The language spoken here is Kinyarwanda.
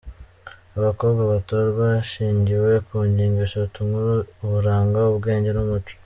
Abakobwa batorwa hashingiwe ku ngingo eshatu nkuru "uburanga, ubwenge n’umuco".